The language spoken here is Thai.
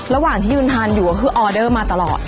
ระหว่างที่ยืนทานอยู่ก็คือออเดอร์มาตลอด